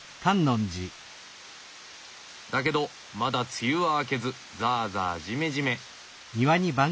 だけどまだ梅雨は明けずザーザージメジメ。